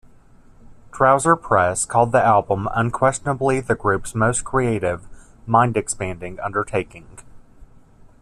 "Trouser Press" called the album "unquestionably the group's most creative, mind-expanding undertaking".